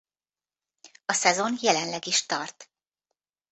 A szezon jelenleg is tart.